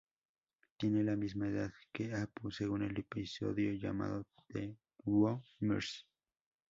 Tiene la misma edad que Apu, según el episodio llamado "The Two Mrs.